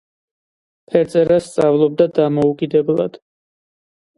ფერწერას სწავლობდა დამოუკიდებლად.